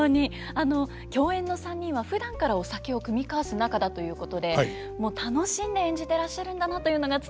あの共演の３人はふだんからお酒を酌み交わす仲だということでもう楽しんで演じてらっしゃるんだなというのが伝わってきましたよね。